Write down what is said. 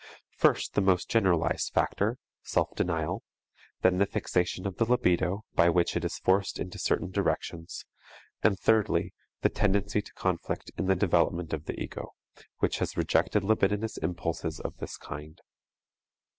First, the most generalized factor, self denial, then the fixation of the libido, by which it is forced into certain directions, and thirdly, the tendency to conflict in the development of the ego, which has rejected libidinous impulses of this kind.